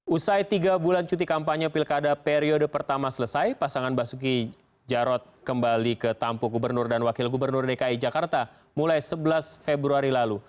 usai tiga bulan cuti kampanye pilkada periode pertama selesai pasangan basuki jarod kembali ke tampu gubernur dan wakil gubernur dki jakarta mulai sebelas februari lalu